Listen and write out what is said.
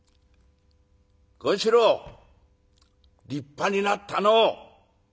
「権四郎立派になったのう。